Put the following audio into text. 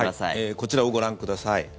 こちらをご覧ください。